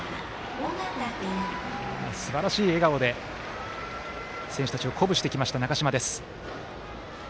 すばらしい笑顔で選手たちを鼓舞してきました中嶋。